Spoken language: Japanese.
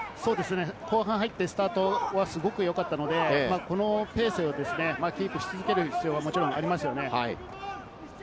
後半入ってスタートはすごくよかったので、このペースをキープし続ける必要がありますよね。